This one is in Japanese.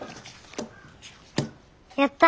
やった！